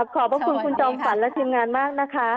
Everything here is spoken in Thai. ขอบพระคุณคุณจอมฝันและทีมงานมากนะคะ